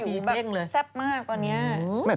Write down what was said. อุ้ยหิวแบบแซ่บมากกว่านี้